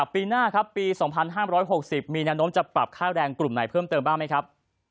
ปีหน้าครับปี๒๕๖๐มีแนวโน้มจะปรับค่าแรงกลุ่มไหนเพิ่มเติมบ้างไหมครับ